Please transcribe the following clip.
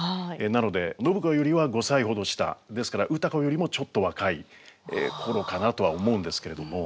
なので暢子よりは５歳ほど下ですから歌子よりもちょっと若い頃かなとは思うんですけれども。